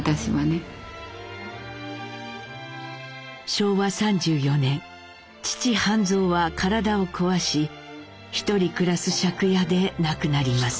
昭和３４年父畔三は体を壊し一人暮らす借家で亡くなります。